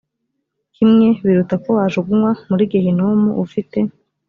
kimwe biruta ko wajugunywa muri gehinomu ufite